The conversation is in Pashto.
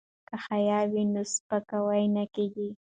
که حیا وي نو سپکاوی نه کیږي.